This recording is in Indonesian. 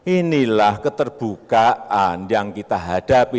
inilah keterbukaan yang kita hadapi